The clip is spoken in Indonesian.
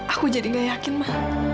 aku jadi gak yakin mah